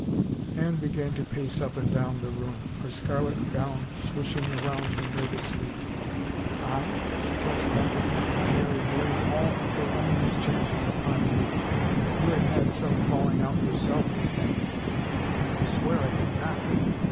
310 « f RUMORS Anne began to pace up and down the room, her scarlet gown swishing around her nervous feet. " I ?" she tossed back at him. " Marry, blame all your own mischances upon me. You had had some fall ing out yourself with Henry —"" I swear I had not!